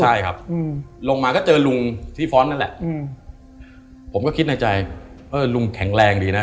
ใช่ครับลงมาก็เจอลุงที่ฟ้อนต์นั่นแหละอืมผมก็คิดในใจเออลุงแข็งแรงดีนะ